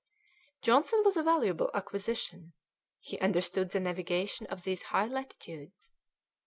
Johnson was a valuable acquisition; he understood the navigation of these high latitudes.